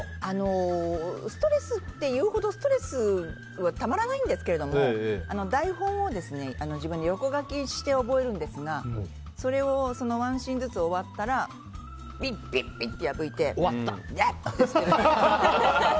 ストレスというほどストレスはたまらないんですが台本を、自分で横書きして覚えるんですがそれをワンシーンずつ終わったらビリッと破いて、うわっと捨てる。